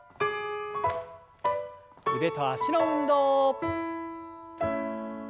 腕と脚の運動。